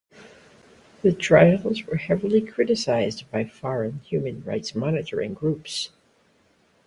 The trials were heavily criticised by foreign human rights monitoring groups.